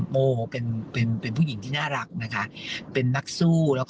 โมเป็นผู้หญิงที่น่ารักเป็นนักสู้